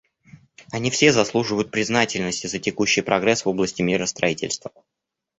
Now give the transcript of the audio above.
Они все заслуживают признательности за текущий прогресс в области миростроительства.